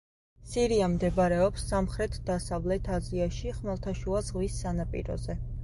სირია მდებარეობს სამხრეთ-დასავლეთ აზიაში, ხმელთაშუა ზღვის სანაპიროზე.